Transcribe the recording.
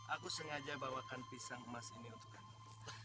aku sengaja bawakan pisang emas ini untuk kamu